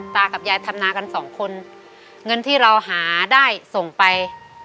ตากับยายทำนากันสองคนเงินที่เราหาได้ส่งไป